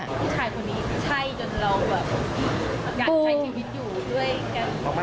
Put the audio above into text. ผู้ชายคนนี้ใช่จนเราแบบอยากใช้ชีวิตอยู่ด้วยกัน